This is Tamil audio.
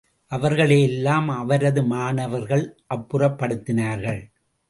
அவர்களை எல்லாம் அவரது மாணவர்கள் அப்புறப்படுத்தினார்கள்.